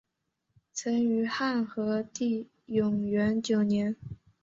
曾于汉和帝永元九年。